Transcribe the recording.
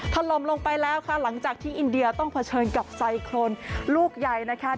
ถล่มลงไปแล้วค่ะหลังจากที่อินเดียต้องเผชิญกับไซโครนลูกใหญ่นะคะ